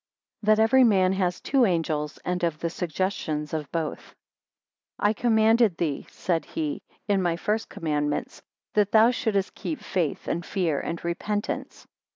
That every man has two angels and of the suggestions of both. I COMMANDED thee, said he, in my first commandments, that thou shouldst keep faith and fear, and repentance.